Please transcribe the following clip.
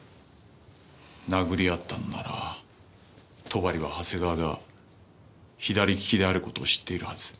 殴りあったのなら戸張は長谷川が左利きである事を知っているはず。